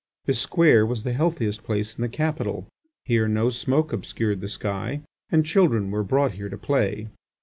This square was the healthiest place in the capital; here no smoke obscured the sky, and children were brought here to play.